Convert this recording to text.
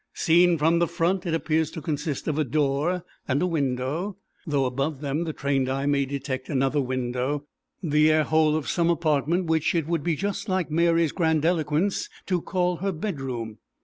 Seen from the front it appears to consist of a door and a window, though above them the trained eye may detect another window, the air hole of some apartment which it would be just like Mary's grandiloquence to call her bedroom.